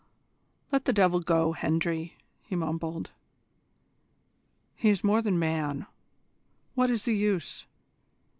"Let the devil go, Hendry," he mumbled. "He is more than man. What is the use?